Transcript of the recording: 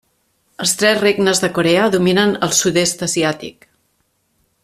Els Tres regnes de Corea dominen el sud-est asiàtic.